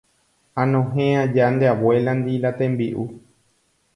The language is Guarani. anohẽ aja nde abuéla-ndi la tembi'u.